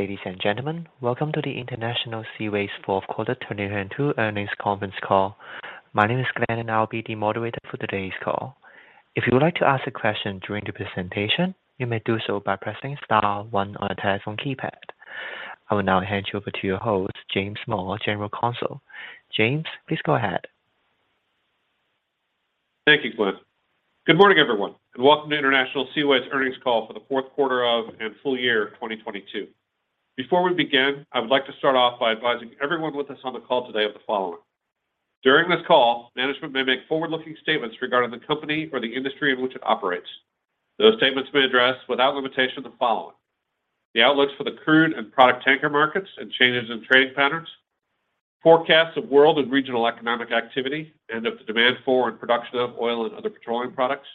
Ladies and gentlemen, welcome to the International Seaways fourth quarter 2022 earnings conference call. My name is Glenn, I'll be the moderator for today's call. If you would like to ask a question during the presentation, you may do so by pressing star one on your telephone keypad. I will now hand you over to your host, James Small, General Counsel. James, please go ahead. Thank you, Glenn. Good morning, everyone, and welcome to International Seaways earnings call for the fourth quarter of and full year of 2022. Before we begin, I would like to start off by advising everyone with us on the call today of the following. During this call, management may make forward-looking statements regarding the company or the industry in which it operates. Those statements may address, without limitation, the following: the outlooks for the crude and product tanker markets and changes in trading patterns, forecasts of world and regional economic activity, and of the demand for and production of oil and other petroleum products,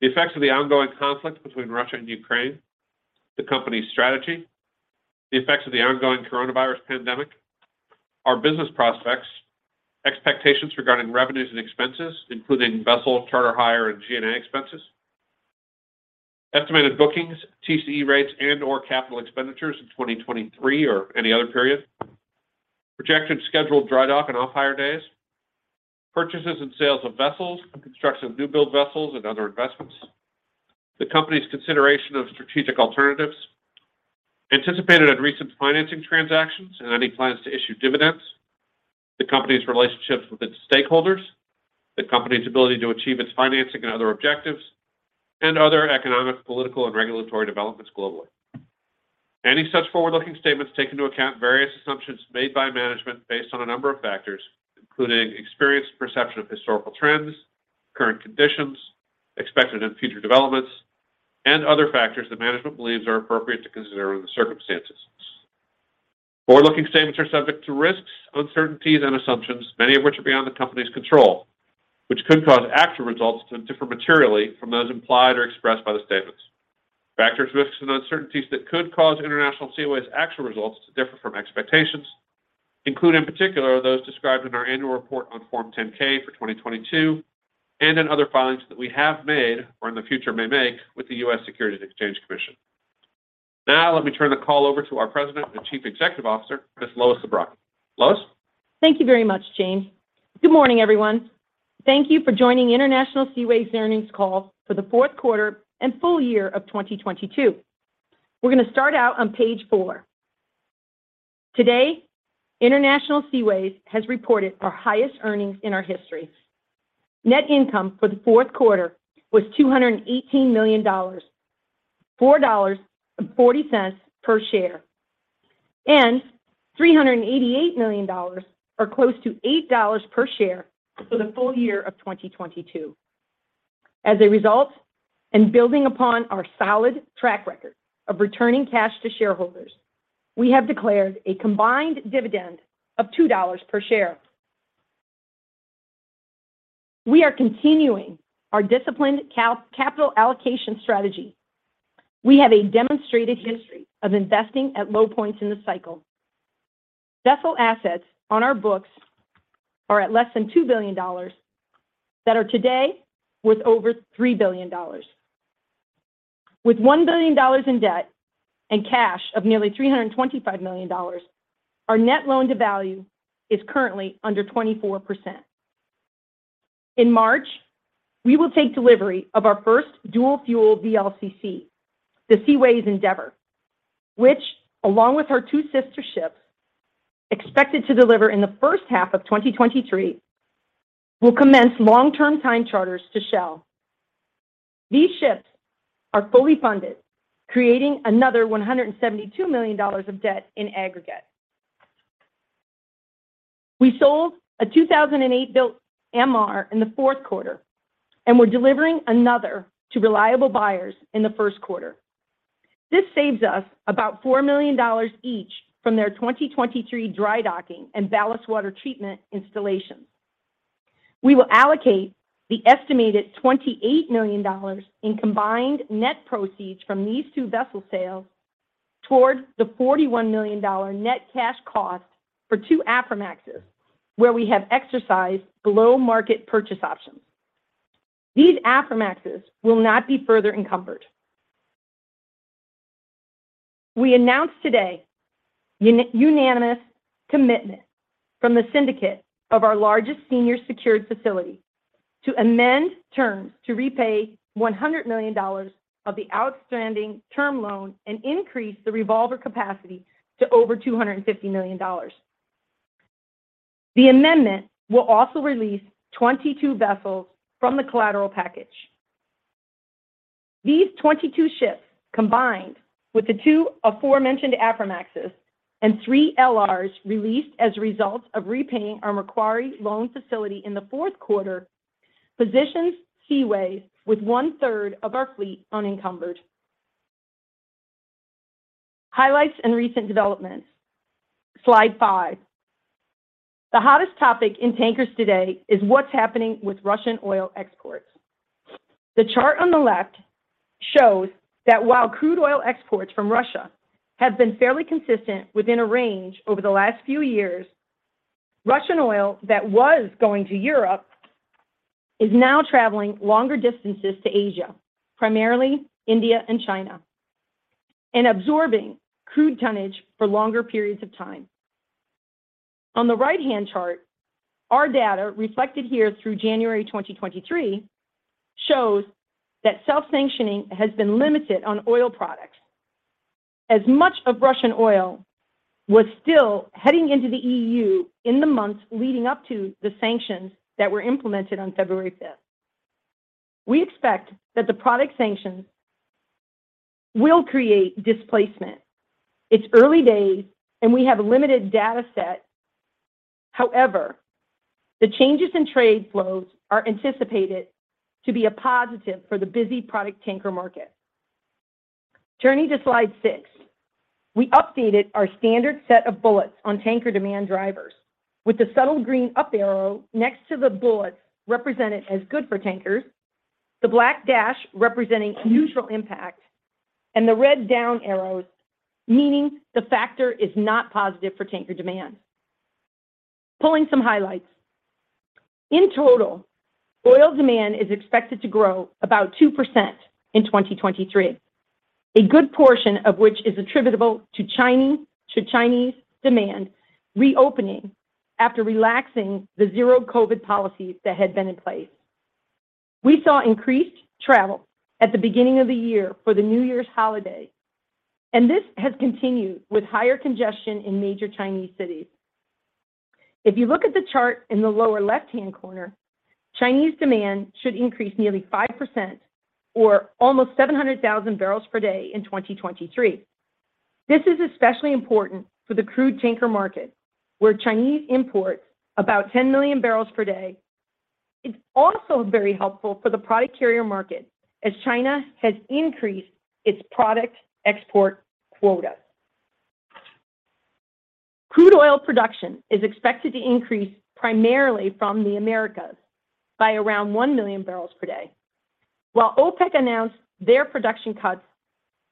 the effects of the ongoing conflict between Russia and Ukraine, the company's strategy, the effects of the ongoing coronavirus pandemic, our business prospects, expectations regarding revenues and expenses, including vessel charter hire and G&A expenses, estimated bookings, TCE rates and/or capital expenditures in 2023 or any other period. Projected scheduled dry dock and off-hire days, purchases and sales of vessels and construction of new-build vessels and other investments, the company's consideration of strategic alternatives, anticipated and recent financing transactions and any plans to issue dividends, the company's relationships with its stakeholders, the company's ability to achieve its financing and other objectives, and other economic, political, and regulatory developments globally. Any such forward-looking statements take into account various assumptions made by management based on a number of factors, including experienced perception of historical trends, current conditions, expected and future developments, and other factors that management believes are appropriate to consider under the circumstances. Forward-looking statements are subject to risks, uncertainties, and assumptions, many of which are beyond the Company's control, which could cause actual results to differ materially from those implied or expressed by the statements. Factors, risks, and uncertainties that could cause International Seaways actual results to differ from expectations include, in particular, those described in our annual report on Form 10-K for 2022 and in other filings that we have made or in the future may make with the U.S. Securities and Exchange Commission. Let me turn the call over to our President and Chief Executive Officer, Ms. Lois Zabrocky. Lois? Thank you very much, James. Good morning, everyone. Thank you for joining International Seaways earnings call for the fourth quarter and full year of 2022. We're gonna start out on page four. Today, International Seaways has reported our highest earnings in our history. Net income for the fourth quarter was $218 million, $4.40 per share, and $388 million or close to $8 per share for the full year of 2022. As a result, and building upon our solid track record of returning cash to shareholders, we have declared a combined dividend of $2 per share. We are continuing our disciplined capital allocation strategy. We have a demonstrated history of investing at low points in the cycle. Vessel assets on our books are at less than $2 billion that are today worth over $3 billion. With $1 billion in debt and cash of nearly $325 million, our net loan to value is currently under 24%. In March, we will take delivery of our first dual-fuel VLCC, the Seaways Endeavor, which along with our two sister ships, expected to deliver in the first half of 2023, will commence long-term time charters to Shell. These ships are fully funded, creating another $172 million of debt in aggregate. We sold a 2008-built MR in the fourth quarter and we're delivering another to reliable buyers in the first quarter. This saves us about $4 million each from their 2023 dry docking and ballast water treatment installations. We will allocate the estimated $28 million in combined net proceeds from these two vessel sales towards the $41 million net cash cost for two Aframaxes, where we have exercised below-market purchase options. These Aframaxes will not be further encumbered. We announced today unanimous commitment from the syndicate of our largest senior secured facility to amend terms to repay $100 million of the outstanding term loan and increase the revolver capacity to over $250 million. The amendment will also release 22 vessels from the collateral package. These 22 ships, combined with the two aforementioned Aframaxes and three LRs released as a result of repaying our Macquarie loan facility in the fourth quarter, positions Seaways with one-third of our fleet unencumbered. Highlights and recent developments, slide five. The hottest topic in tankers today is what's happening with Russian oil exports. The chart on the left shows that while crude oil exports from Russia have been fairly consistent within a range over the last few years, Russian oil that was going to Europe is now traveling longer distances to Asia, primarily India and China, and absorbing crude tonnage for longer periods of time. On the right-hand chart, our data, reflected here through January 2023, shows that self-sanctioning has been limited on oil products, as much of Russian oil was still heading into the E.U. in the months leading up to the sanctions that were implemented on February 5th. We expect that the product sanctions will create displacement. It's early days, and we have a limited data set. However, the changes in trade flows are anticipated to be a positive for the busy product tanker market. Turning to slide six. We updated our standard set of bullets on tanker demand drivers with the subtle green up arrow next to the bullets represented as good for tankers, the black dash representing neutral impact, and the red down arrows, meaning the factor is not positive for tanker demand. Pulling some highlights. In total, oil demand is expected to grow about 2% in 2023, a good portion of which is attributable to Chinese demand reopening after relaxing the zero-COVID policies that had been in place. This has continued with higher congestion in major Chinese cities. If you look at the chart in the lower left-hand corner, Chinese demand should increase nearly 5% or almost 700,000 bbl per day in 2023. This is especially important for the Crude Tanker market, where Chinese imports about 10 million bbl per day. It's also very helpful for the Product Carrier market as China has increased its product export quota. Crude oil production is expected to increase primarily from the Americas by around 1 million barrels per day. While OPEC announced their production cuts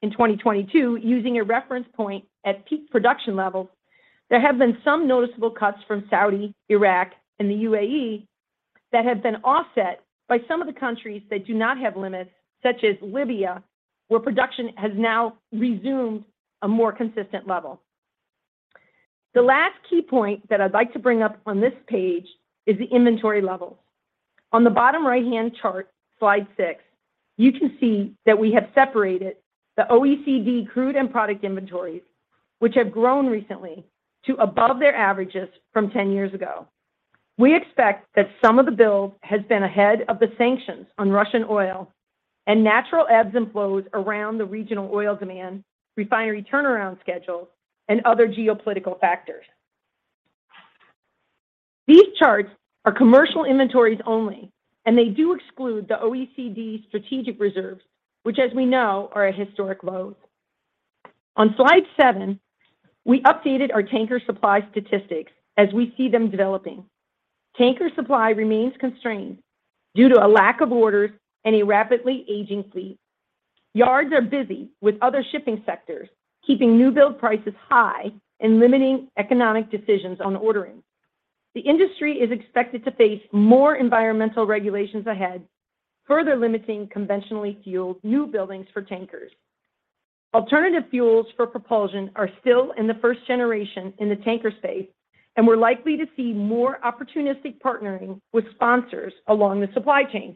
in 2022 using a reference point at peak production levels, there have been some noticeable cuts from Saudi, Iraq, and the UAE that have been offset by some of the countries that do not have limits, such as Libya, where production has now resumed a more consistent level. The last key point that I'd like to bring up on this page is the inventory levels. On the bottom right-hand chart, slide six, you can see that we have separated the OECD crude and product inventories, which have grown recently to above their averages from 10 years ago. We expect that some of the build has been ahead of the sanctions on Russian oil and natural ebbs and flows around the regional oil demand, refinery turnaround schedules, and other geopolitical factors. These charts are commercial inventories only. They do exclude the OECD strategic reserves, which, as we know, are at historic lows. On slide seven, we updated our tanker supply statistics as we see them developing. Tanker supply remains constrained due to a lack of orders and a rapidly aging fleet. Yards are busy with other shipping sectors, keeping new build prices high and limiting economic decisions on ordering. The industry is expected to face more environmental regulations ahead, further limiting conventionally fueled new buildings for tankers. We're likely to see more opportunistic partnering with sponsors along the supply chain.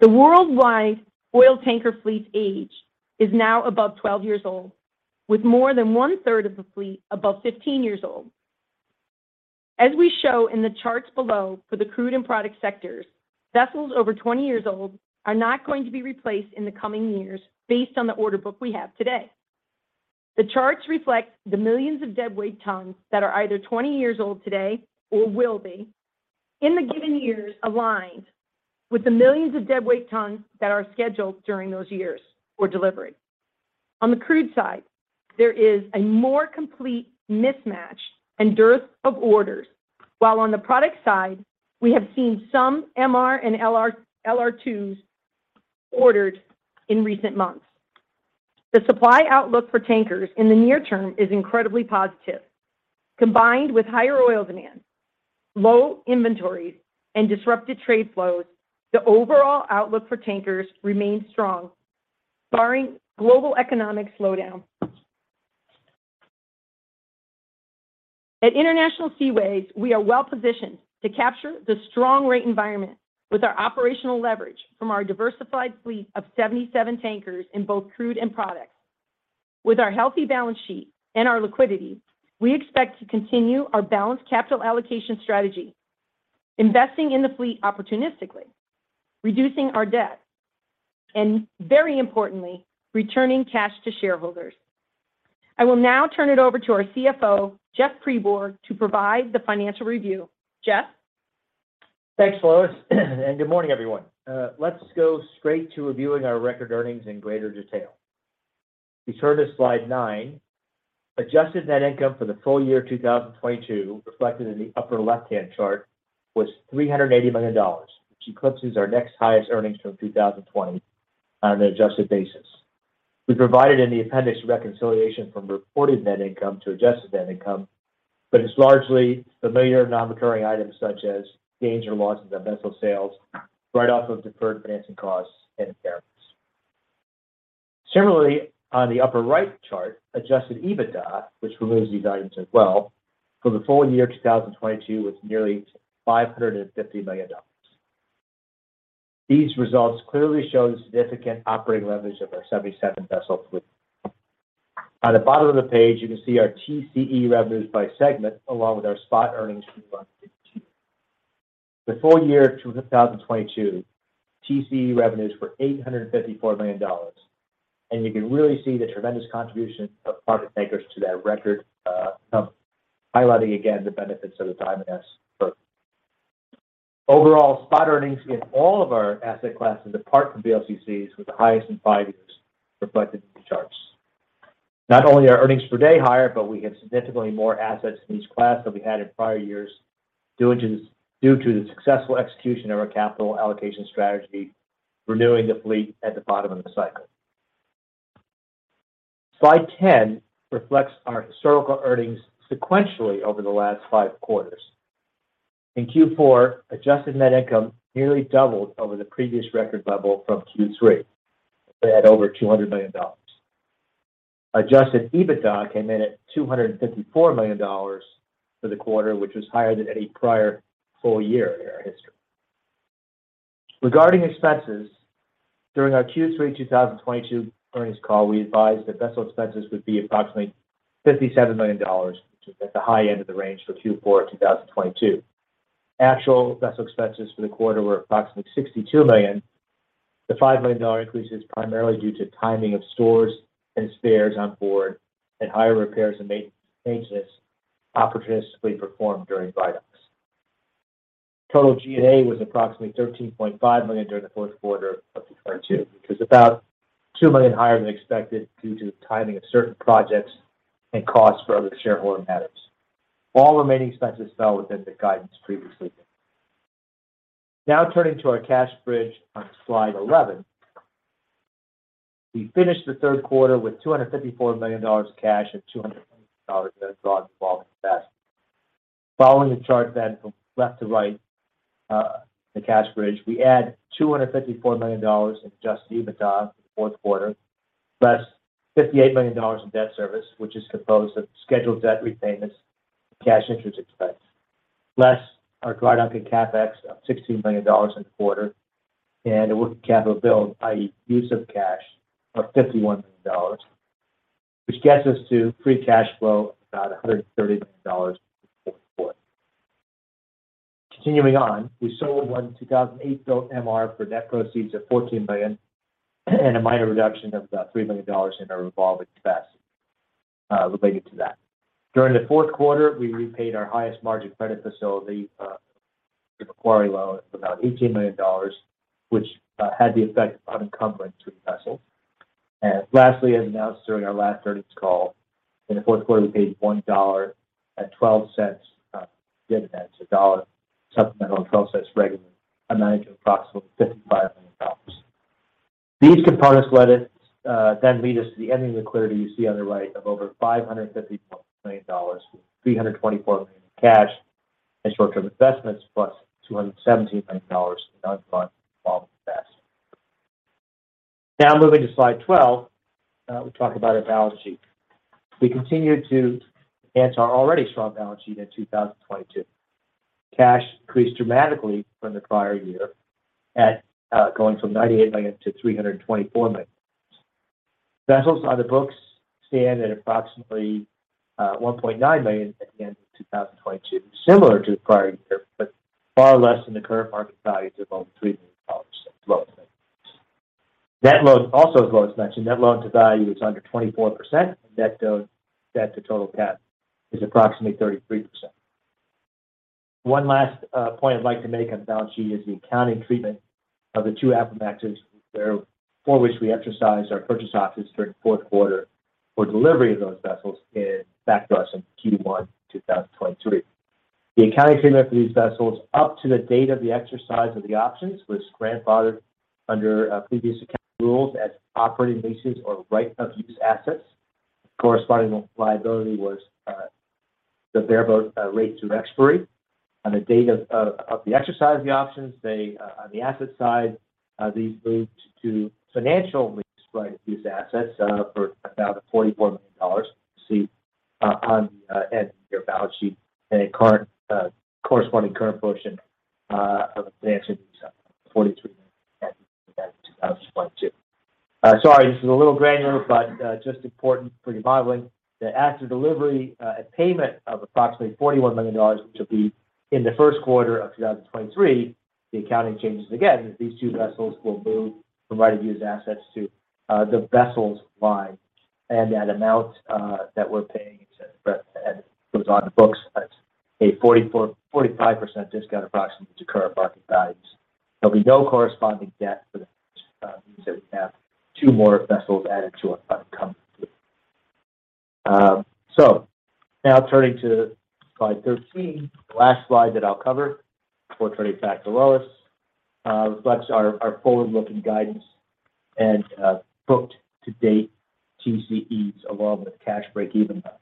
The worldwide oil tanker fleet's age is now above 12 years old, with more than one-third of the fleet above 15 years old. As we show in the charts below for the crude and product sectors, vessels over 20 years old are not going to be replaced in the coming years based on the order book we have today. The charts reflect the millions of deadweight tons that are either 20 years old today or will be in the given years aligned with the millions of deadweight tons that are scheduled during those years for delivery. On the crude side, there is a more complete mismatch and dearth of orders, while on the product side, we have seen some MR and LR2s ordered in recent months. The supply outlook for tankers in the near term is incredibly positive. Combined with higher oil demand, low inventories, and disrupted trade flows, the overall outlook for tankers remains strong, barring global economic slowdown. At International Seaways, we are well-positioned to capture the strong rate environment with our operational leverage from our diversified fleet of 77 tankers in both Crude and Products. With our healthy balance sheet and our liquidity, we expect to continue our balanced capital allocation strategy, investing in the fleet opportunistically, reducing our debt, and very importantly, returning cash to shareholders. I will now turn it over to our CFO, Jeff Pribor, to provide the financial review. Jeff? Thanks, Lois. Good morning, everyone. Let's go straight to reviewing our record earnings in greater detail. We turn to slide nine. Adjusted net income for the full year 2022, reflected in the upper left-hand chart, was $380 million, which eclipses our next highest earnings from 2020 on an adjusted basis. We provided in the appendix reconciliation from reported net income to adjusted net income, but it's largely familiar non-recurring items such as gains or losses on vessel sales, write-off of deferred financing costs, and impairments. Similarly, on the upper right chart, adjusted EBITDA, which removes these items as well, for the full year 2022 was nearly $550 million. These results clearly show the significant operating leverage of our 77 vessel fleet. On the bottom of the page, you can see our TCE revenues by segment, along with our spot earnings for Q4 2022. The full year 2022 TCE revenues were $854 million, you can really see the tremendous contribution of product tankers to that record sum, highlighting again the benefits of the Diamond S. Overall, spot earnings in all of our asset classes, apart from VLCCs, were the highest in five years, reflected in the charts. Not only are earnings per day higher, we have significantly more assets in each class than we had in prior years due to the successful execution of our capital allocation strategy, renewing the fleet at the bottom of the cycle. Slide 10 reflects our historical earnings sequentially over the last five quarters. In Q4, adjusted net income nearly doubled over the previous record level from Q3. They had over $200 million. Adjusted EBITDA came in at $254 million for the quarter, which was higher than any prior full year in our history. Regarding expenses, during our Q3 2022 earnings call, we advised that vessel expenses would be approximately $57 million, which was at the high end of the range for Q4 2022. Actual vessel expenses for the quarter were approximately $62 million. The $5 million increase is primarily due to timing of stores and spares on board and higher repairs and maintenance opportunistically performed during drydocks. Total G&A was approximately $13.5 million during the fourth quarter of 2022, which was about $2 million higher than expected due to the timing of certain projects and costs for other shareholder matters. All remaining expenses fell within the guidance previously. Turning to our cash bridge on slide 11. We finished the third quarter with $254 million in cash and $200 million in revolving debt. Following the chart from left to right, the cash bridge, we add $254 million in adjusted EBITDA in the fourth quarter, plus $58 million in debt service, which is composed of scheduled debt repayments, cash interest expense, less our drydock and CapEx of $16 million in the quarter, and a working capital build, i.e., use of cash of $51 million, which gets us to free cash flow of about $130 million in Q4. Continuing on, we sold one 2008-built MR for net proceeds of $14 million and a minor reduction of about $3 million in our revolving debt related to that. During the fourth quarter, we repaid our highest margin credit facility, the Macquarie loan of about $18 million, which had the effect of unencumbering two vessels. Lastly, as announced during our last earnings call, in the fourth quarter, we paid $1.12 dividends, $1 supplemental and $0.12 regular, amounting to approximately $55 million. These components led us, then lead us to the ending liquidity you see on the right of over $550 million, with $324 million in cash and short-term investments, plus $217 million in undrawn revolving debt. Moving to slide 12, we talk about our balance sheet. We continued to enhance our already strong balance sheet in 2022. Cash increased dramatically from the prior year at, going from $98 million-$324 million. Vessels on the books stand at approximately $1.9 million at the end of 2022, similar to the prior year, but far less than the current market value of about $3 million. Net loan also is low. As mentioned, net loan-to-value is under 24%. Net to total cap is approximately 33%. One last point I'd like to make on the balance sheet is the accounting treatment of the two Aframaxes, for which we exercise our purchase options during the fourth quarter for delivery of those vessels in back to us in Q1 2023. The accounting treatment for these vessels up to the date of the exercise of the options was grandfathered under previous account rules as operating leases or right-of-use assets. Corresponding liability was the rate to expiry. On the date of the exercise of the options, they on the asset side, these moved to financial lease right-of-use assets for about $44 million you see on the at year balance sheet and a current corresponding current portion of advancing these $43 million in 2022. Sorry, this is a little granular, but just important for you modeling. The after delivery payment of approximately $41 million, which will be in the first quarter of 2023, the accounting changes again, as these two vessels will move from right-of-use assets to the vessels line. That amount that we're paying goes on the books as a 44%-45% discount approximately to current market values. There'll be no corresponding debt for the first two more vessels added to our fleet. Now turning to slide 13, the last slide that I'll cover before turning it back to Lois, reflects our forward-looking guidance and booked to date TCEs along with cash breakeven balance.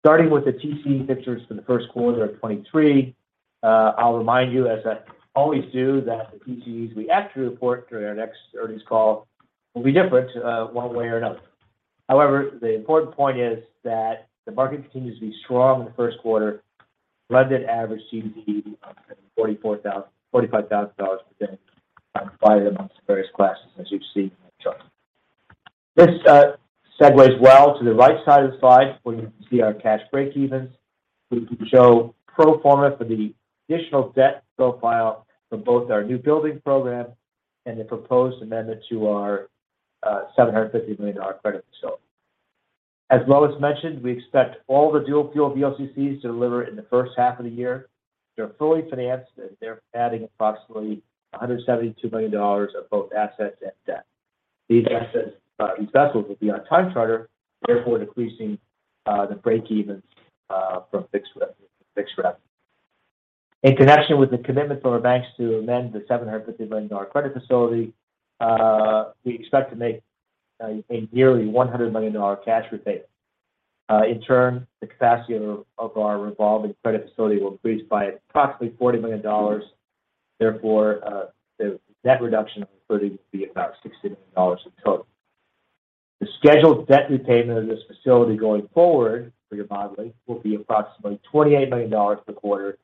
Starting with the TCE fixtures for the first quarter of 2023, I'll remind you, as I always do, that the TCEs we actually report during our next earnings call will be different, one way or another. However, the important point is that the market continues to be strong in the first quarter. Blended average TCE, $45,000 per day, divided amongst the various classes as you see in the chart. This segues well to the right side of the slide where you can see our cash breakeven, which show pro forma for the additional debt profile for both our new building program and the proposed amendment to our $750 million credit facility. As Lois mentioned, we expect all the dual-fuel VLCCs to deliver in the first half of the year. They're fully financed, they're adding approximately $172 million of both assets and debt. These assets, these vessels will be on time charter, therefore decreasing the breakeven from fixed revenue. In connection with the commitment from our banks to amend the $750 million credit facility, we expect to make a nearly $100 million cash repayment. In turn, the capacity of our revolving credit facility will increase by approximately $40 million. Therefore, the net reduction of liquidity will be about $60 million in total. The scheduled debt repayment of this facility going forward for your modeling will be approximately $28 million per quarter,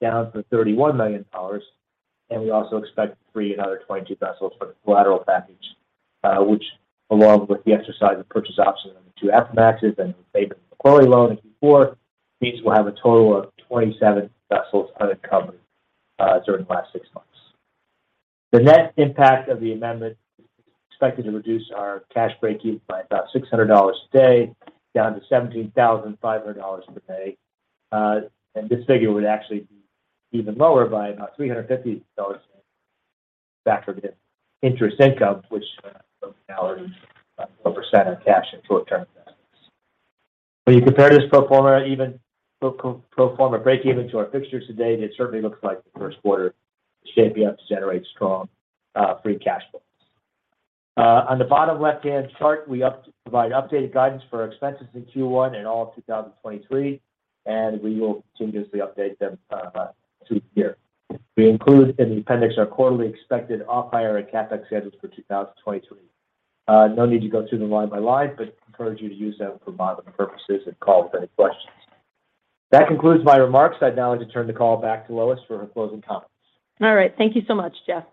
down from $31 million. We also expect to free another 22 vessels for the collateral package, which along with the exercise of purchase options on the two Aframaxes and repayment of the Macquarie loan as before, means we'll have a total of 27 vessels unencumbered during the last six months. The net impact of the amendment is expected to reduce our cash breakeven by about $600 a day, down to $17,500 per day. This figure would actually be even lower by about $350 factored in interest income, which from now on will be a percent of cash in short-term deposits. When you compare this pro forma, even pro-pro forma breakeven to our fixtures to date, it certainly looks like the first quarter should shape up to generate strong free cash flows. On the bottom left-hand chart, we up-provide updated guidance for our expenses in Q1 and all of 2023, we will continuously update them through the year. We include in the appendix our quarterly expected OpEx and CapEx schedules for 2023. No need to go through them line by line, but encourage you to use them for modeling purposes and call with any questions. That concludes my remarks. I'd now like to turn the call back to Lois for her closing comments. All right. Thank you so much, Jeff.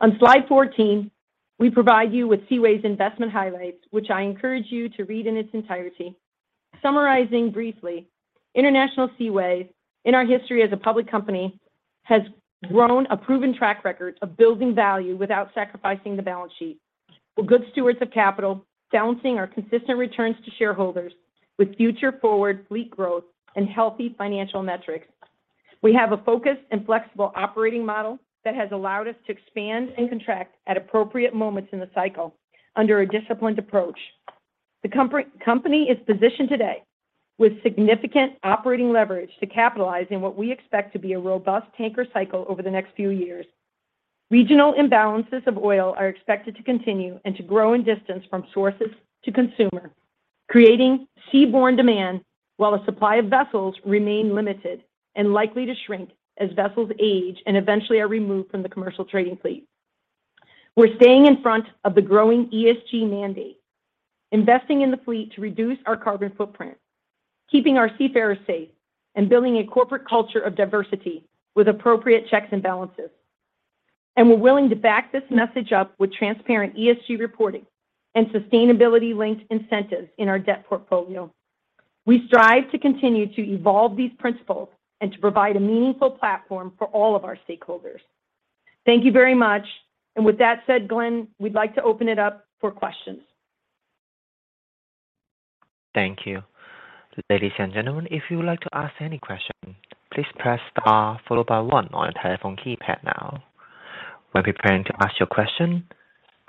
On slide 14, we provide you with Seaways' investment highlights, which I encourage you to read in its entirety. Summarizing briefly, International Seaways, in our history as a public company, has grown a proven track record of building value without sacrificing the balance sheet. We're good stewards of capital, balancing our consistent returns to shareholders with future-forward fleet growth and healthy financial metrics. We have a focused and flexible operating model that has allowed us to expand and contract at appropriate moments in the cycle under a disciplined approach. The company is positioned today with significant operating leverage to capitalize in what we expect to be a robust tanker cycle over the next few years. Regional imbalances of oil are expected to continue and to grow in distance from sources to consumer, creating seaborne demand while the supply of vessels remain limited and likely to shrink as vessels age and eventually are removed from the commercial trading fleet. We're staying in front of the growing ESG mandate, investing in the fleet to reduce our carbon footprint, keeping our seafarers safe, and building a corporate culture of diversity with appropriate checks and balances. We're willing to back this message up with transparent ESG reporting and sustainability-linked incentives in our debt portfolio. We strive to continue to evolve these principles and to provide a meaningful platform for all of our stakeholders. Thank you very much. With that said, Glenn, we'd like to open it up for questions. Thank you. Ladies and gentlemen, if you would like to ask any question, please press star followed by one on your telephone keypad now. When preparing to ask your question,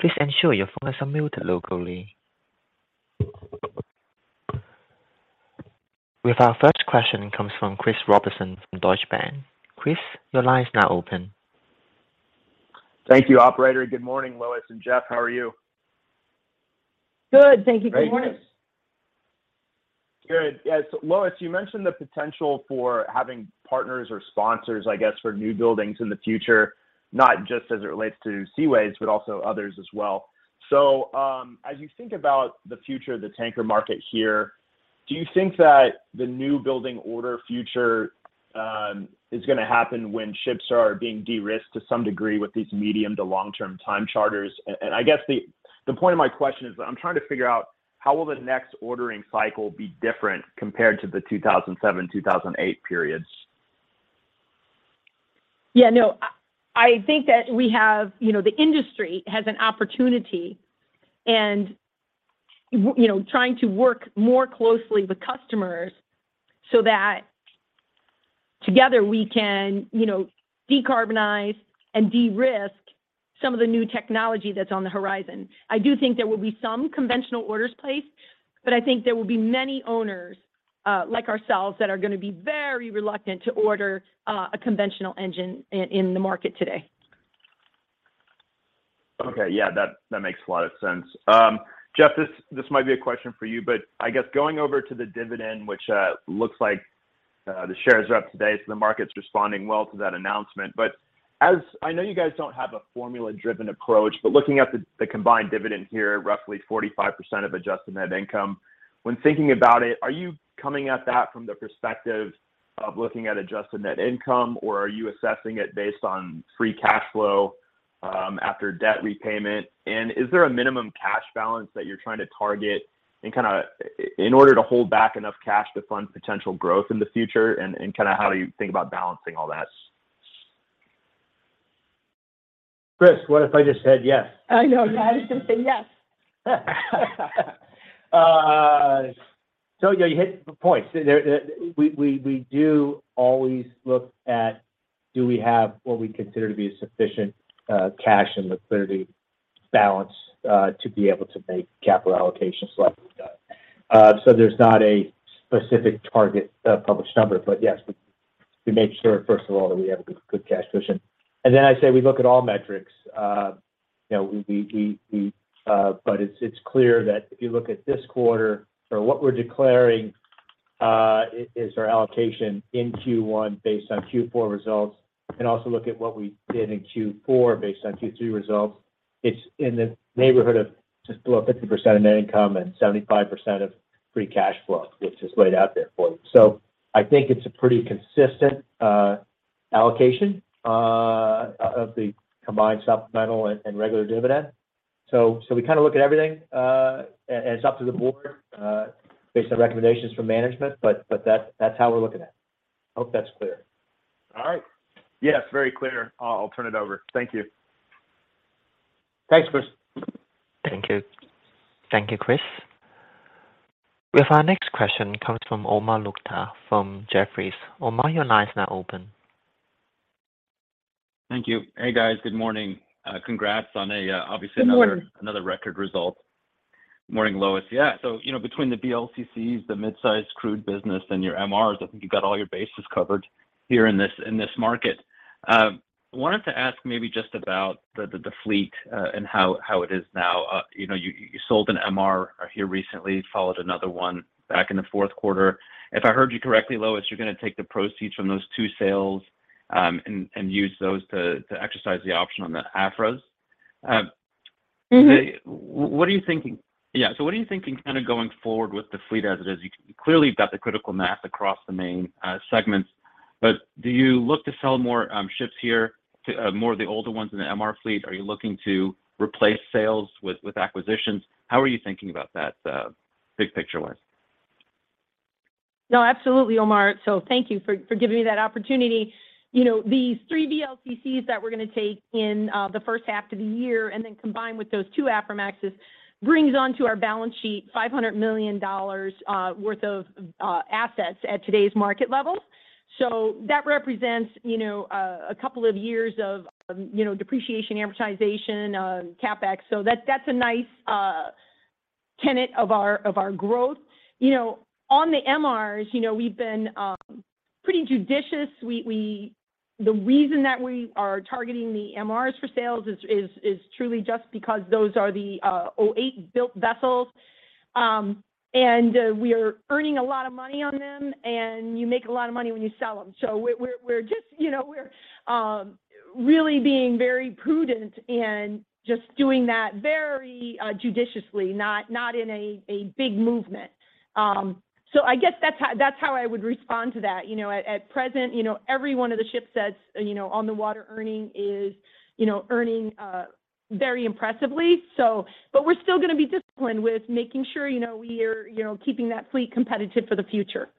please ensure your phones are muted locally. We have our first question comes from Chris Robertson from Deutsche Bank. Chris, your line is now open. Thank you, operator. Good morning, Lois and Jeff. How are you? Good. Thank you. Good morning. Great. Thanks. Good. Yes. Lois, you mentioned the potential for having partners or sponsors, I guess, for new buildings in the future, not just as it relates to Seaways, but also others as well. As you think about the future of the tanker market here, do you think that the new building order future, is gonna happen when ships are being de-risked to some degree with these medium to long-term time charters? I guess the point of my question is that I'm trying to figure out how will the next ordering cycle be different compared to the 2007, 2008 periods? Yeah, no. I think that You know, the industry has an opportunity and you know, trying to work more closely with customers so that together we can, you know, decarbonize and de-risk some of the new technology that's on the horizon. I do think there will be some conventional orders placed, but I think there will be many owners like ourselves that are gonna be very reluctant to order a conventional engine in the market today. Okay. Yeah. That makes a lot of sense. Jeff, this might be a question for you, but I guess going over to the dividend, which looks like the shares are up today. The market's responding well to that announcement. As I know you guys don't have a formula-driven approach, but looking at the combined dividend here, roughly 45% of adjusted net income. When thinking about it, are you coming at that from the perspective of looking at adjusted net income, or are you assessing it based on free cash flow after debt repayment? Is there a minimum cash balance that you're trying to target and kinda in order to hold back enough cash to fund potential growth in the future and kinda how do you think about balancing all that? Chris, what if I just said yes? I know. I was gonna say yes. Yeah, you hit the points. There, we do always look at do we have what we consider to be sufficient cash and liquidity balance to be able to make capital allocations like we've done. There's not a specific target published number, but yes, we make sure first of all that we have a good cash position. Then I say we look at all metrics. You know, we, but it's clear that if you look at this quarter or what we're declaring, is our allocation in Q1 based on Q4 results, and also look at what we did in Q4 based on Q3 results, it's in the neighborhood of just about 50% of net income and 75% of free cash flow, which is laid out there for you. I think it's a pretty consistent allocation of the combined supplemental and regular dividend. We kind of look at everything, and it's up to the board, based on recommendations from management, but that's how we're looking at it. Hope that's clear. All right. Yes, very clear. I'll turn it over. Thank you. Thanks, Chris. Thank you. Thank you, Chris. With our next question comes from Omar Nokta from Jefferies. Omar, your line is now open. Thank you. Hey, guys. Good morning. congrats on a obviously— Good morning. — another record result. Morning, Lois. You know, between the VLCCs, the mid-size crude business, and your MRs, I think you've got all your bases covered here in this, in this market. Wanted to ask maybe just about the fleet and how it is now. You know, you sold an MR here recently, followed another one back in the fourth quarter. If I heard you correctly, Lois, you're gonna take the proceeds from those two sales and use those to exercise the option on the Afras. Mm-hmm What are you thinking kind of going forward with the fleet as it is? You clearly you've got the critical mass across the main segments, but do you look to sell more ships here to more of the older ones in the MR fleet? Are you looking to replace sales with acquisitions? How are you thinking about that big picture-wise? No, absolutely, Omar. Thank you for giving me that opportunity. You know, these three VLCCs that we're gonna take in the first half of the year and then combine with those two Aframaxes brings onto our balance sheet $500 million worth of assets at today's market levels. That represents, you know, a couple of years of, you know, depreciation, amortization, CapEx. That's a nice tenet of our growth. You know, on the MRs, you know, we've been pretty judicious. The reason that we are targeting the MRs for sales is truly just because those are the 2008-built vessels, and we are earning a lot of money on them, and you make a lot of money when you sell them. We're just, you know, we're really being very prudent in just doing that very judiciously, not in a big movement. I guess that's how I would respond to that. You know, at present, you know, every one of the shipsets, you know, on the water earning is, you know, earning very impressively. But we're still gonna be disciplined with making sure, you know, we are, you know, keeping that fleet competitive for the future.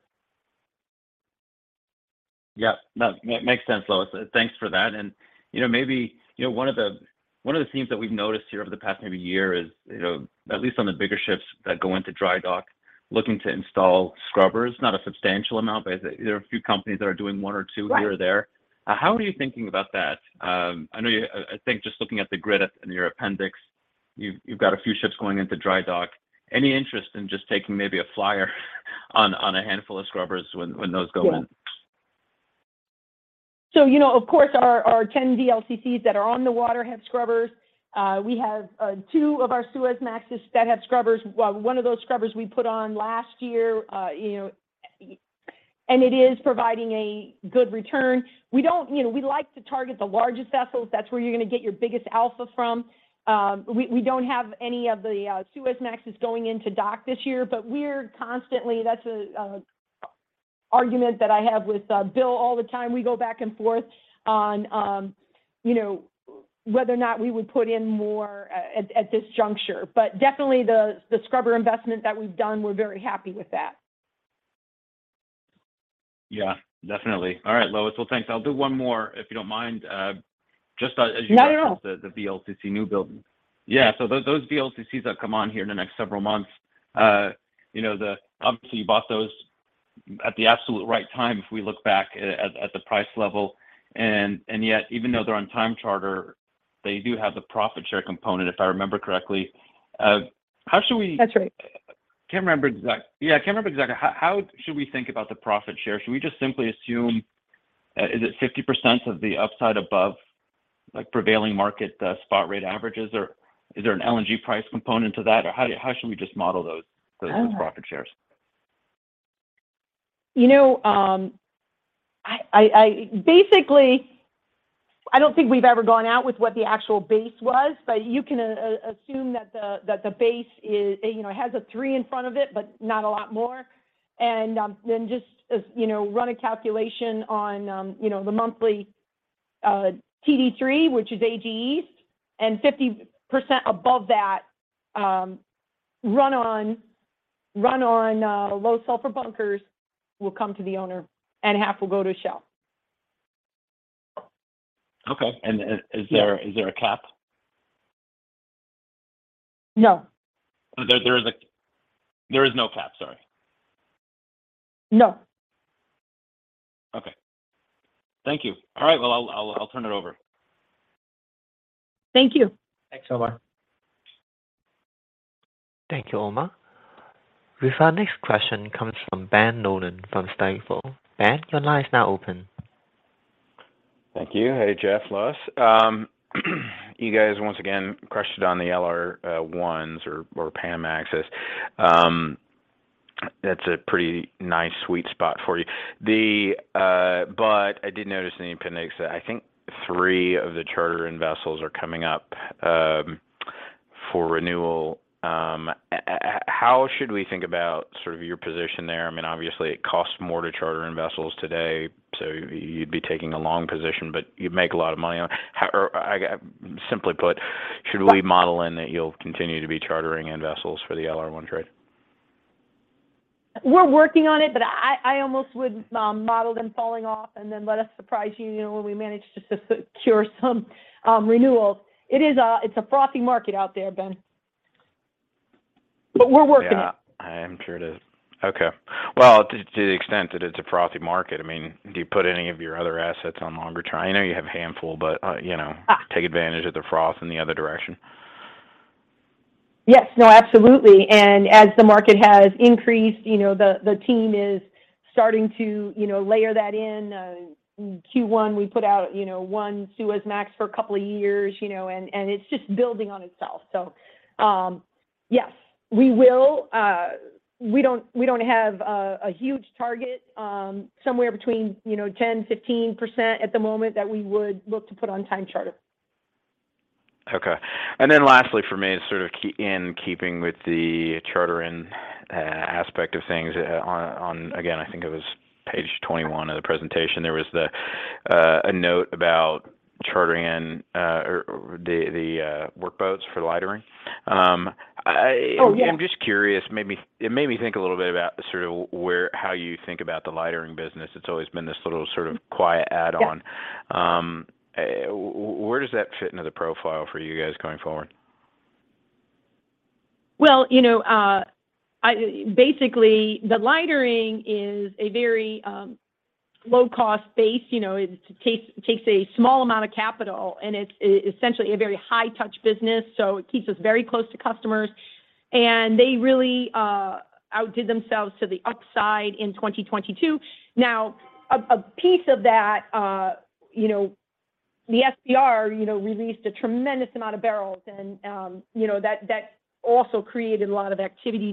No, makes sense, Lois. Thanks for that. You know, maybe, you know, one of the themes that we've noticed here over the past maybe year is, you know, at least on the bigger ships that go into dry dock, looking to install scrubbers, not a substantial amount, but there are a few companies that are doing one or two— Right. — here or there. How are you thinking about that? I think just looking at the grid in your appendix, you've got a few ships going into dry dock. Any interest in just taking maybe a flyer on a handful of scrubbers when those go in? Yeah. You know, of course our 10 VLCCs that are on the water have scrubbers. We have two of our Suezmaxes that have scrubbers. One of those scrubbers we put on last year, you know, and it is providing a good return. We don't, you know, we like to target the largest vessels. That's where you're gonna get your biggest alpha from. We don't have any of the Suezmaxes going into dock this year, but we're constantly. That's an argument that I have with Bill all the time. We go back and forth on, you know, whether or not we would put in more at this juncture. Definitely the scrubber investment that we've done, we're very happy with that. Yeah, definitely. All right, Lois. Well, thanks. I'll do one more if you don't mind. Not at all. Just the VLCC new building. Yeah. Those VLCCs that come on here in the next several months, you know, obviously you bought those at the absolute right time if we look back at the price level. Yet even though they're on time charter, they do have the profit share component, if I remember correctly. How should we? That's right. Can't remember. Yeah. I can't remember exactly. How should we think about the profit share? Should we just simply assume, is it 50% of the upside above, like, prevailing market spot rate averages or is there an LNG price component to that? How should we just model those profit shares? You know, I basically, I don't think we've ever gone out with what the actual base was, but you can assume that the, that the base is, you know, has a three in front of it, but not a lot more. Then just as, you know, run a calculation on, you know, the monthly TD3, which is AG East, and 50% above that, run on low sulfur bunkers will come to the owner and half will go to Shell. Okay. Is there a cap? No. There is no cap. Sorry. No. Okay. Thank you. All right. I'll turn it over. Thank you. Thanks, Omar. Thank you, Omar. With our next question comes from Ben Nolan from Stifel. Ben, your line is now open. Thank you. Hey, Jeff, Lois. you guys once again crushed it on the LR1s or Panamaxes. That's a pretty nice sweet spot for you. I did notice in the appendix that I think three of the charter in vessels are coming up for renewal. How should we think about sort of your position there? I mean, obviously it costs more to charter in vessels today, so you'd be taking a long position, but you'd make a lot of money on. Simply put, should we model in that you'll continue to be chartering in vessels for the LR1 trade? We're working on it, but I almost would model them falling off and then let us surprise you know, when we manage to secure some renewals. It is a frothy market out there, Ben. We're working on it. Yeah. I'm sure it is. Okay. Well, to the extent that it's a frothy market, I mean, do you put any of your other assets on longer term? I know you have a handful, but, you know, take advantage of the froth in the other direction. Yes. No, absolutely. As the market has increased, you know, the team is starting to, you know, layer that in. In Q1, we put out, you know, one Supramax for a couple of years, you know, and it's just building on itself. Yes, we will. We don't have a huge target, somewhere between, you know, 10%, 15% at the moment that we would look to put on time charter. Okay. Lastly for me is sort of in keeping with the charter-in aspect of things. On again, I think it was page 21 of the presentation, there was a note about chartering in or the work boats for lightering. Oh, yeah. I'm just curious. It made me think a little bit about sort of where, how you think about the lightering business. It's always been this little sort of quiet add-on. Yeah. Where does that fit into the profile for you guys going forward? Well, you know, Basically, the lightering is a very low cost base. You know, it takes a small amount of capital, and it's essentially a very high touch business, so it keeps us very close to customers, and they really outdid themselves to the upside in 2022. Now a piece of that, you know, the SPR, you know, released a tremendous amount of barrels and, you know, also created a lot of activity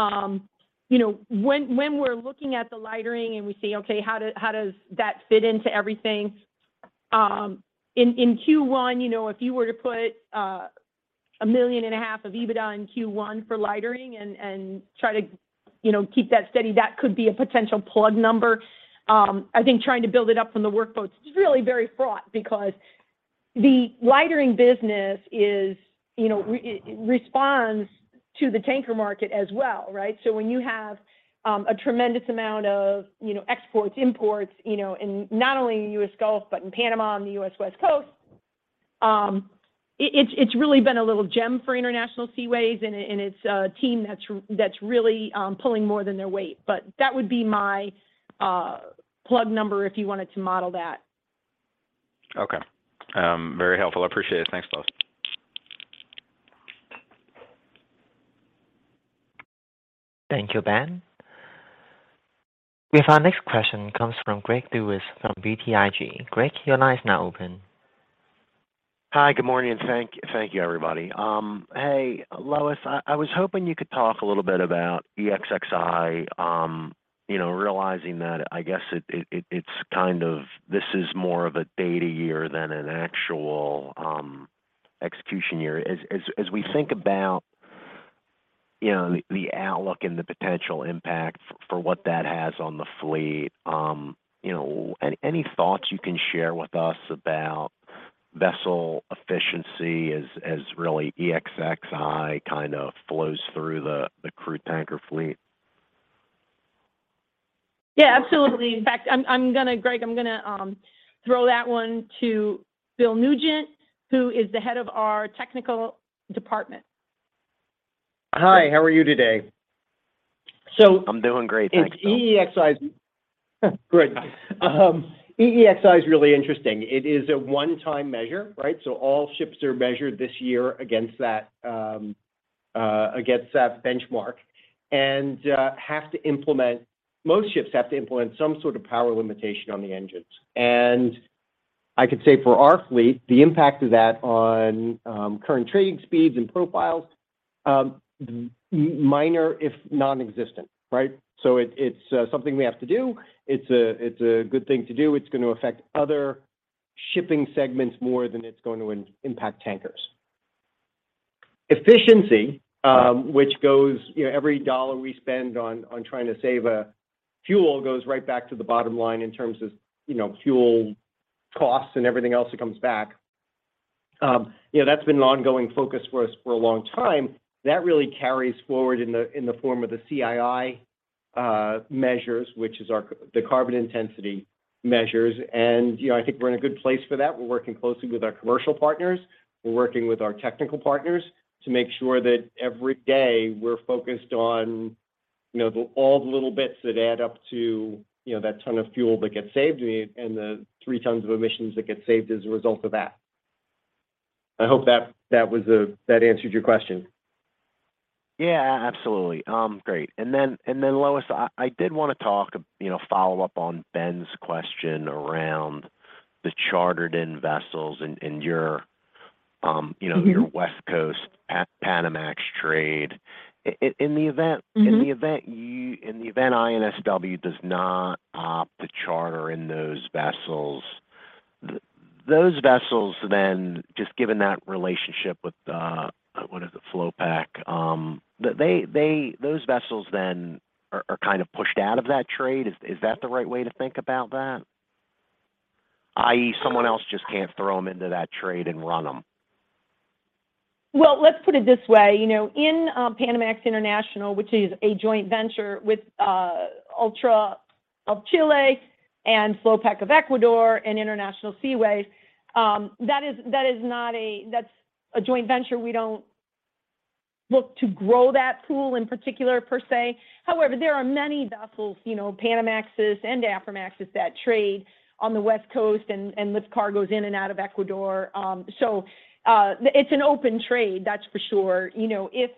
there. You know, when we're looking at the lightering and we say, okay, how does that fit into everything? In Q1, you know, if you were to put $1.5 million of EBITDA in Q1 for lightering and try to, you know, keep that steady, that could be a potential plug number. I think trying to build it up from the workboats is really very fraught because the lightering business is, you know, responds to the tanker market as well, right? When you have a tremendous amount of, you know, exports, imports, you know, in not only in U.S. Gulf, but in Panama and the U.S. West Coast, it's really been a little gem for International Seaways and it's a team that's really pulling more than their weight. That would be my plug number if you wanted to model that. Okay. very helpful. I appreciate it. Thanks, Lois. Thank you, Ben. With our next question comes from Greg Lewis from BTIG. Greg, your line is now open. Hi. Good morning. Thank you, everybody. Hey, Lois, I was hoping you could talk a little bit about EEXI, you know, realizing that I guess it's kind of this is more of a data year than an actual execution year. As we think about, you know, the outlook and the potential impact for what that has on the fleet, you know, any thoughts you can share with us about vessel efficiency as really EEXI kind of flows through the Crude Tanker fleet? Yeah, absolutely. In fact, Greg, I'm gonna throw that one to Bill Nugent, who is the Head of our Technical Department. Hi, how are you today? I'm doing great, thanks. EEXI. Great. EEXI is really interesting. It is a one-time measure, right? All ships are measured this year against that benchmark, and Most ships have to implement some sort of power limitation on the engines. I could say for our fleet, the impact of that on current trading speeds and profiles, minor if non-existent, right? It, it's something we have to do. It's a good thing to do. It's gonna affect other shipping segments more than it's going to impact tankers. Efficiency, which goes, you know, every dollar we spend on trying to save a fuel goes right back to the bottom line in terms of, you know, fuel costs and everything else that comes back. You know, that's been an ongoing focus for us for a long time. That really carries forward in the form of the CII measures, which is our the carbon intensity measures. You know, I think we're in a good place for that. We're working closely with our commercial partners. We're working with our technical partners to make sure that every day we're focused on, you know, the, all the little bits that add up to, you know, that ton of fuel that gets saved and the 3 tons of emissions that get saved as a result of that. I hope that was that answered your question. Yeah, absolutely. Great. Then Lois, I did wanna talk, you know, follow up on Ben's question around the chartered-in vessels in your, you know. Mm-hmm Your West Coast Panamax trade. In the event. Mm-hmm In the event INSW does not opt to charter in those vessels, those vessels then just given that relationship with, what is it, FLOPEC, those vessels then are kind of pushed out of that trade. Is that the right way to think about that? I.e., someone else just can't throw them into that trade and run them. Well, let's put it this way. You know, in Panamax International, which is a joint venture with Ultra of Chile and FLOPEC of Ecuador and International Seaways, that's a joint venture. We don't look to grow that pool in particular, per se. There are many vessels, you know, Panamaxes and Aframaxes that trade on the West Coast and lift cargos in and out of Ecuador. It's an open trade, that's for sure. You know, if,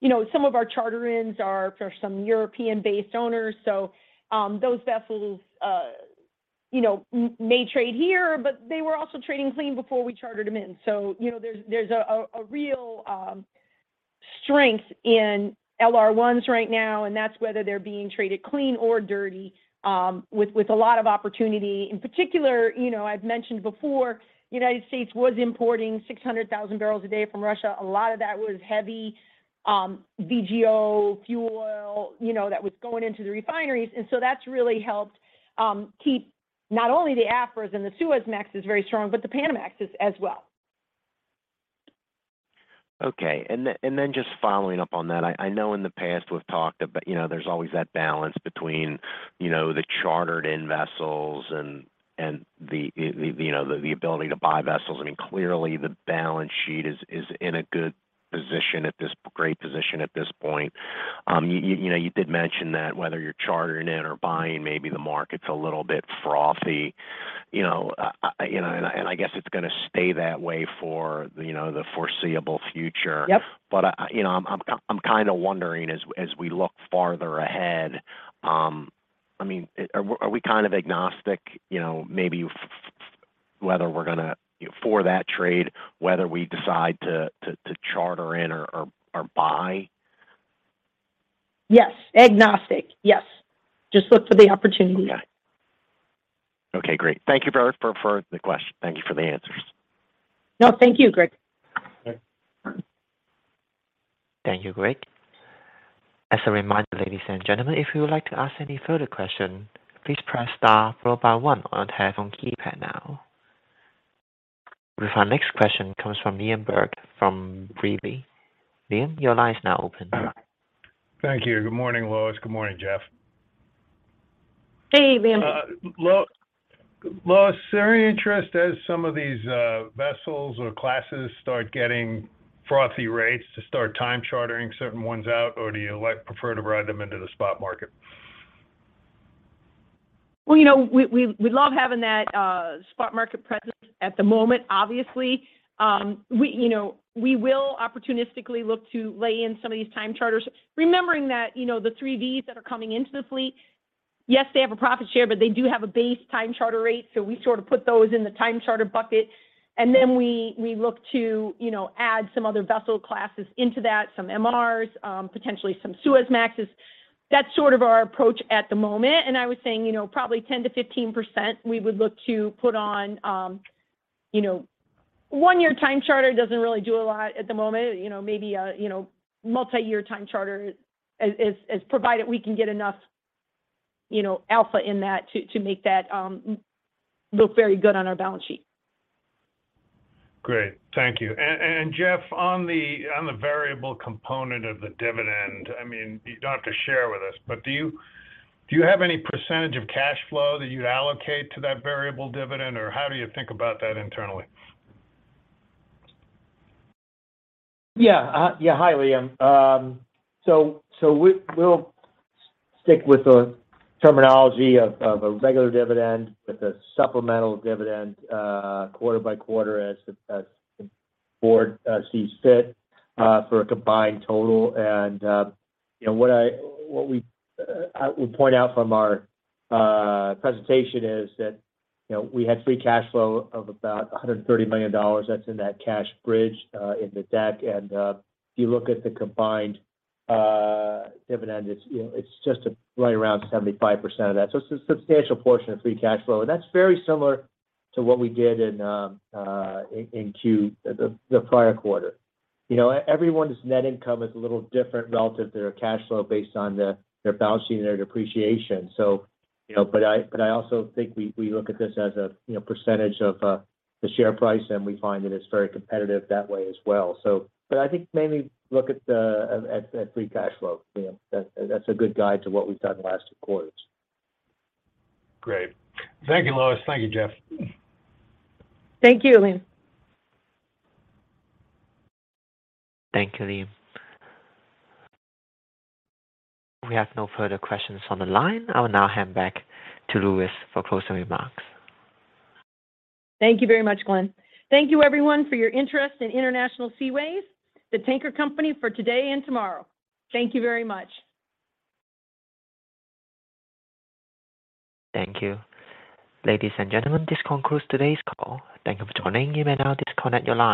you know, some of our charter ins are for some European-based owners, those vessels, you know, may trade here, but they were also trading clean before we chartered them in. You know, there's a real strength in LR1s right now, and that's whether they're being traded clean or dirty, with a lot of opportunity. In particular, you know, I've mentioned before, United States was importing 600,000 bbl a day from Russia. A lot of that was heavy, VGO fuel, you know, that was going into the refineries. That's really helped keep not only the Aframaxes and the Suezmaxes very strong, but the Panamaxes as well. Okay. Then just following up on that, I know in the past we've talked, you know, there's always that balance between, you know, the chartered-in vessels and the, you know, the ability to buy vessels. I mean, clearly the balance sheet is in a good position at this great position at this point. You know, you did mention that whether you're chartering in or buying, maybe the market's a little bit frothy, you know, and I guess it's gonna stay that way for, you know, the foreseeable future. Yep. You know, I'm kinda wondering as we look farther ahead, I mean, are we kind of agnostic, you know, maybe whether we're gonna, you know, for that trade, whether we decide to charter in or buy? Yes. Agnostic. Yes. Just look for the opportunity. Okay. Okay, great. Thank you for the question. Thank you for the answers. No, thank you, Greg. Thank you, Greg. As a reminder, ladies and gentlemen, if you would like to ask any further question, please press star followed by one on your telephone keypad now. Our next question comes from Liam Burke from B. Riley Securities. Liam, your line is now open. Thank you. Good morning, Lois. Good morning, Jeff. Hey, Liam. Lois, is there any interest as some of these vessels or classes start getting frothy rates to start time chartering certain ones out, or do you like prefer to ride them into the spot market? Well, you know, we love having that spot market presence at the moment, obviously. We, you know, we will opportunistically look to lay in some of these time charters, remembering that, you know, the three VLCCs that are coming into the fleet, yes, they have a profit share, but they do have a base time charter rate, so we sort of put those in the time charter bucket. Then we look to, you know, add some other vessel classes into that, some MRs, potentially some Suezmaxes. That's sort of our approach at the moment. I was saying, you know, probably 10%-15% we would look to put on. One-year time charter doesn't really do a lot at the moment. You know, maybe a, you know, multi-year time charter as provided we can get enough, you know, alpha in that to make that look very good on our balance sheet. Great. Thank you. Jeff, on the variable component of the dividend, I mean, you don't have to share with us, but do you have any percentage of cash flow that you allocate to that variable dividend? Or how do you think about that internally? Yeah. Yeah. Hi, Liam. So we'll stick with the terminology of a regular dividend with a supplemental dividend, quarter by quarter as the board sees fit for a combined total. You know, what we would point out from our presentation is that, you know, we had free cash flow of about $130 million that's in that cash bridge in the deck. If you look at the combined dividend, it's, you know, it's just right around 75% of that. It's a substantial portion of free cash flow, and that's very similar to what we did in the prior quarter. You know, everyone's net income is a little different relative to their cash flow based on their balancing and their depreciation. You know. I also think we look at this as a, you know, percentage of the share price, and we find that it's very competitive that way as well. I think mainly look at the free cash flow, Liam. That's a good guide to what we've done the last two quarters. Great. Thank you, Lois. Thank you, Jeff. Thank you, Liam. Thank you, Liam. We have no further questions on the line. I will now hand back to Lois for closing remarks. Thank you very much, Glenn. Thank you everyone for your interest in International Seaways, the tanker company for today and tomorrow. Thank you very much. Thank you. Ladies and gentlemen, this concludes today's call. Thank you for joining. You may now disconnect your line.